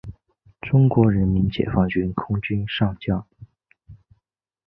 中国人民解放军空军上将。